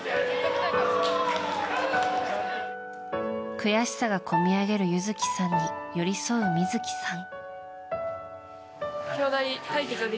悔しさがこみ上げる優月さんに寄り添う美月さん。